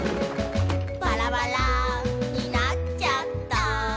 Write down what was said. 「バラバラになちゃった」